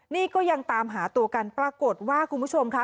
นี่ก็ยังตามหาตัวกันปรากฏว่าคุณผู้ชมค่ะ